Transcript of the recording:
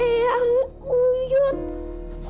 kayak yang uyut